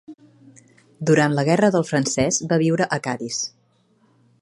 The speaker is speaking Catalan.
Durant la guerra del francès va viure a Cadis.